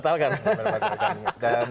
kita hampir batalkan